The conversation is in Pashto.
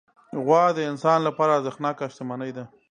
غوا د انسان لپاره ارزښتناکه شتمني ده.